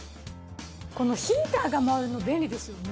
このヒーターが回るの便利ですよね。